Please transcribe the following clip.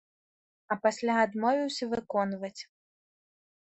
А пасля адмовіўся выконваць.